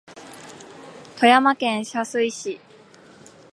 富山県射水市